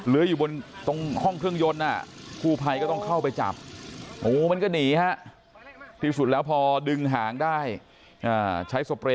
เลื้อยอยู่บนตรงห้องเครื่องยนต์น่ะครูไพก็ต้องเข้าไปจับ